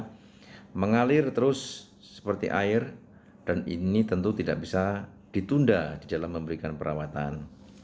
karena mengalir terus seperti air dan ini tentu tidak bisa ditunda di dalam memberikan perawatan